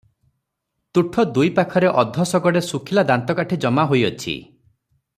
ତୁଠ ଦୁଇ ପାଖରେ ଅଧ ଶଗଡେ ଶୁଖିଲା ଦାନ୍ତକାଠି ଜମାହୋଇ ଅଛି ।